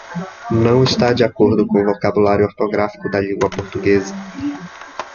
Não está de acordo com o vocábulário ortográfico da língua portuguesa.